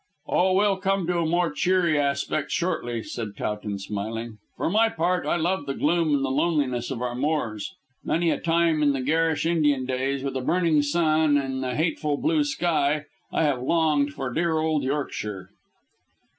"Oh, we'll come to a more cheery aspect shortly," said Towton smiling; "for my part, I love the gloom and the loneliness of our moors. Many a time in the garish Indian days, with a burning sun in the hateful blue sky, have I longed for dear old Yorkshire."